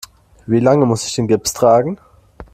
Wie lange muss ich den Gips tragen?